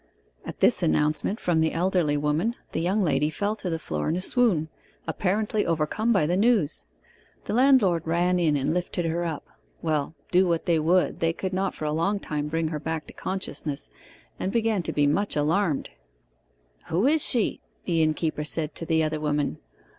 'At this announcement from the elderly woman, the young lady fell to the floor in a swoon, apparently overcome by the news. The landlord ran in and lifted her up. Well, do what they would they could not for a long time bring her back to consciousness, and began to be much alarmed. "Who is she?" the innkeeper said to the other woman.